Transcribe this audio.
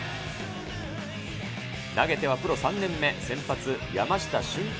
投げてはプロ３年目、先発、山下舜平